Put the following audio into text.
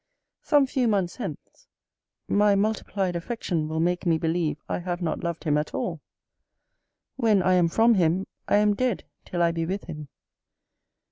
Some few months hence, my multiplied affection will make me believe I have not loved him at all. When I am from him, I am dead till I be with him.